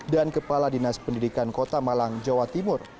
dan kepala dinas pendidikan kota malang jawa timur